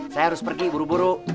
saya harus pergi buru buru